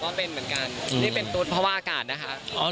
เป็นเหมือนกันนี่เป็นตุ๊ดเพราะว่าอากาศนะคะ